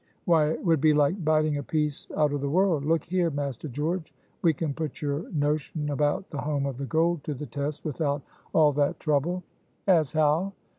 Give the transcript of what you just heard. "Why, it would be like biting a piece out of the world! Look here, Master George, we can put your notion about the home of the gold to the test without all that trouble." "As how?"